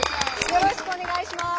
よろしくお願いします。